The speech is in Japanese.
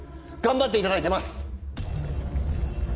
頑張っていただいてます！